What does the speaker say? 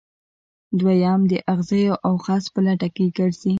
دویم د اغزیو او خس په لټه کې ګرځي.